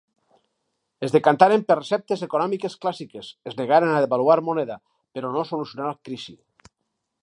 Es decantaren per receptes econòmiques clàssiques, es negaren a devaluar moneda, però no solucionà crisi.